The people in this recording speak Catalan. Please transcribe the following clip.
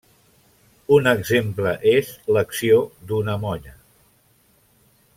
Un exemple és l'acció d'una molla.